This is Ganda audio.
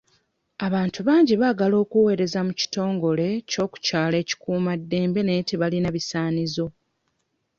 Abantu bangi baagala okuweereza mu kitongole kyokukyalo ekikuuma ddembe naye tebalina bisaanizo.